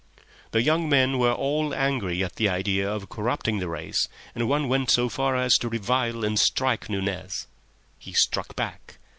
The young men were all angry at the idea of corrupting the race, and one went so far as to revile and strike Nunez. He struck back.